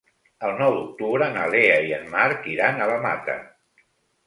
El nou d'octubre na Lea i en Marc iran a la Mata.